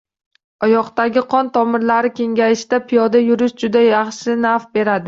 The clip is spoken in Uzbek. Oyoqdagi qon tomirlari kengayishida piyoda yurish juda yaxshi naf beradi.